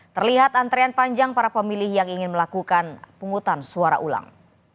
terlihat antrean panjang para pemilih yang ingin melakukan pungutan suara ulang